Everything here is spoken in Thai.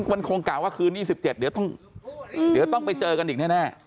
มันคงกล่าวว่าคืนนี้๑๗เดี๋ยวต้องไปเจอกันอีกแน่